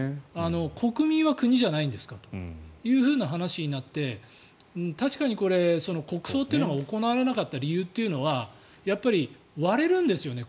国民は国じゃないんですかという話になって確かに国葬というのが行われなかった理由というのはやっぱり割れるんですよね。